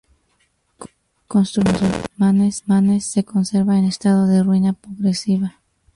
Construido por los musulmanes, se conserva en estado de ruina progresiva.